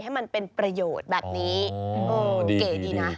ให้มันเป็นประโยชน์แบบนี้